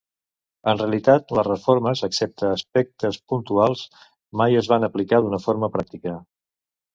En realitat les reformes, excepte aspectes puntuals, mai es van aplicar d'una forma pràctica.